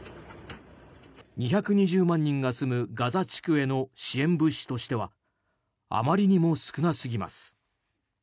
２２０万人が住むガザ地区への支援物資としてはあまりにも少なすぎます。